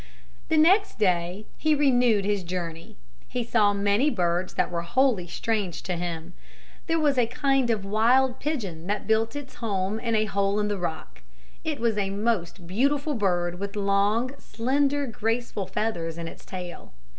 The next day he renewed his journey. He saw many birds that were wholly strange to him. There was a kind of wild pigeon that built its home in a hole in the rock. It was a most beautiful bird with long, slender, graceful feathers in its tail.